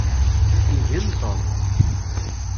Igen Tom.